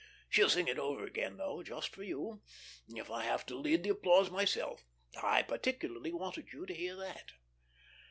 She'll sing it over again, though, just for you, if I have to lead the applause myself. I particularly wanted you to hear that."